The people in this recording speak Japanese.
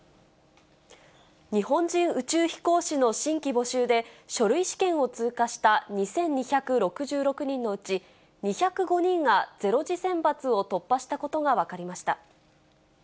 日本人宇宙飛行士の新規募集で、書類試験を通過した２２６６人のうち、２０５人が０次選抜を突破したことが分かりました。